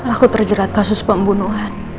aku terjerat kasus pembunuhan